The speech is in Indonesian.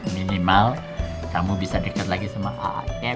minimal kamu bisa dekat lagi sama ah